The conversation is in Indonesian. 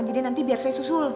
jadi nanti biar saya susul